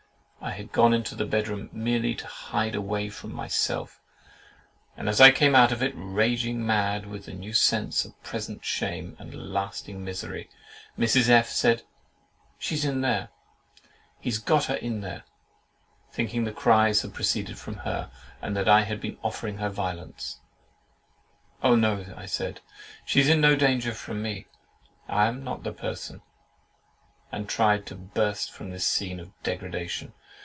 I had gone into the bedroom, merely to hide away from myself, and as I came out of it, raging mad with the new sense of present shame and lasting misery, Mrs. F—— said, "She's in there! He has got her in there!" thinking the cries had proceeded from her, and that I had been offering her violence. "Oh! no," I said, "She's in no danger from me; I am not the person;" and tried to burst from this scene of degradation.